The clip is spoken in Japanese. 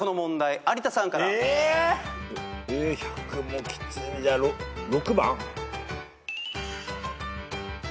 １００もきついじゃあ６番？